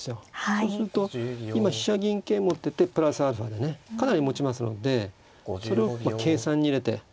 そうすると今飛車銀桂持っててプラスアルファでねかなり持ちますのでそれを計算に入れてあっ６八と。